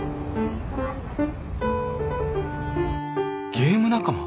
ゲーム仲間？